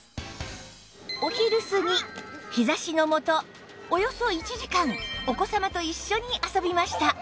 お昼過ぎ日差しの下およそ１時間お子さまと一緒に遊びました